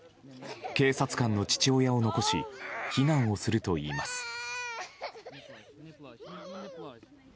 警察官の父親を残し避難をするといいます。